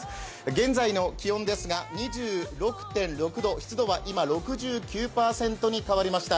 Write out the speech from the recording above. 現在の気温ですが２６．６度、湿度は今６９％に変わりました。